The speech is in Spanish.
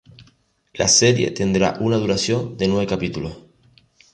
La serie tendrá una duración de nueve capítulos.